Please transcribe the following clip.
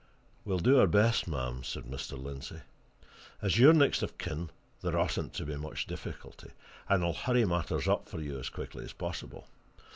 "We'll do our best, ma'am," said Mr. Lindsey. "As you're next of kin there oughtn't to be much difficulty, and I'll hurry matters up for you as quickly as possible.